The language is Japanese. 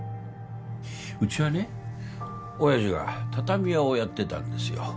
うちはね親父が畳屋をやってたんですよ